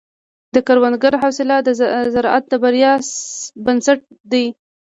د کروندګر حوصله د زراعت د بریا بنسټ دی.